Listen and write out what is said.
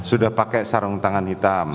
sudah pakai sarung tangan hitam